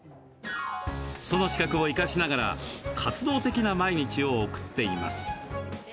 その資格を生かしながら活動的な毎日を送っています。